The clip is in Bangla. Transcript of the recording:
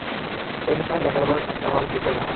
ঐ অনুষ্ঠানে জাকারবার্গ মেটাভার্স বিষয়ে জানান।